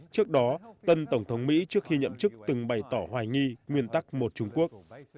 trước đó tân tổng thống mỹ trước khi nhậm chức từng bày tỏ hoài nghi nguyên tắc một trung quốc